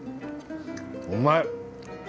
うまい。